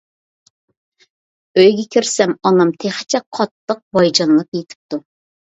ئۆيگە كىرسەم ئانام تېخىچە قاتتىق ۋايجانلاپ يېتىپتۇ.